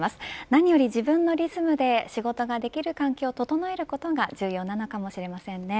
何より自分のリズムで仕事ができる環境を整えることが重要なのかもしれませんね。